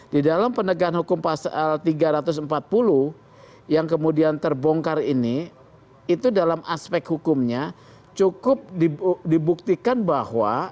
di dalam penegakan hukum pasal tiga ratus empat puluh yang kemudian terbongkar ini itu dalam aspek hukumnya cukup dibuktikan bahwa